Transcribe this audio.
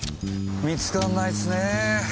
見つかんないすっねぇ。